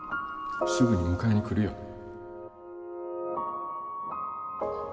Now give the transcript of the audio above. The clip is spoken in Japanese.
すぐに迎えに来るよ。